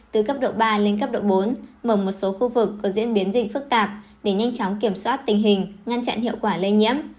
từ cấp độ ba lên cấp độ bốn mở một số khu vực có diễn biến dịch phức tạp để nhanh chóng kiểm soát tình hình ngăn chặn hiệu quả lây nhiễm